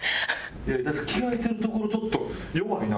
着替えてるところちょっと弱いな。